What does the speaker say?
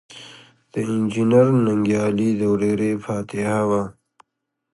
د انجنیر ننګیالي د ورېرې فاتحه وه.